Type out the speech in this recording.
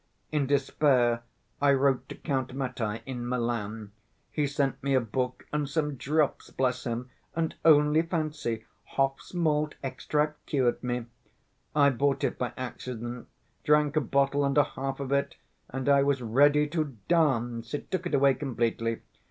In despair I wrote to Count Mattei in Milan. He sent me a book and some drops, bless him, and, only fancy, Hoff's malt extract cured me! I bought it by accident, drank a bottle and a half of it, and I was ready to dance, it took it away completely.